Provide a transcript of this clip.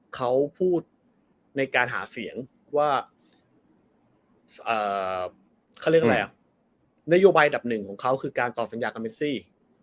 เขาพูดในการหาเสียงว่าเขาเรียกอะไรอ่ะนโยบายอันดับหนึ่งของเขาคือการตอบสัญญากับเมซี่